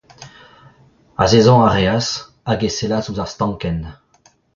Azezañ a reas hag e sellas ouzh ar stankenn.